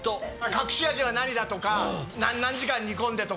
隠し味は何だとか何時間煮込んでとか。